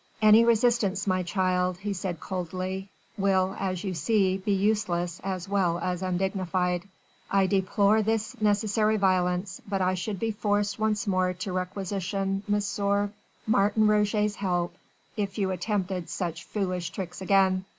"Any resistance, my child," he said coldly, "will as you see be useless as well as undignified. I deplore this necessary violence, but I should be forced once more to requisition M. Martin Roget's help if you attempted such foolish tricks again.